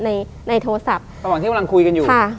ระหว่างที่พี่กุ้งกำลังคุยกันอยู่